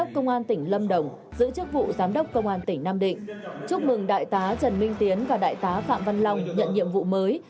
chúc mừng đại tá trần minh tiến và đại tá phạm văn long nhận nhiệm vụ mới